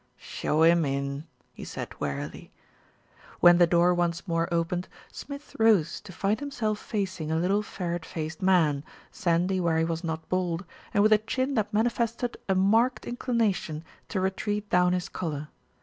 "Show him in," he said wearily. When the door once more opened, Smith rose to find himself facing a little, ferret faced man, sandy where he was not bald, and with a chin that manifested a marked inclination to retreat down his collar.